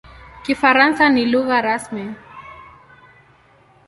Kifaransa ni lugha rasmi.